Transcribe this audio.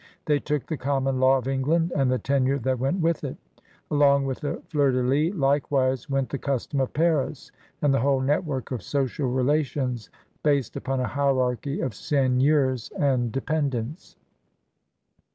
They took the conmion law of England and the tenure that went with it. Along with the fleur de lis, likewise, went the Custom of Paris and the whole network of social relations based upon a hierarchy of seigneurs and dependents.